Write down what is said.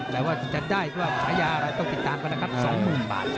แค่ว่าชาญาต้องติดตามกันนะครับ๒หุ่มบาท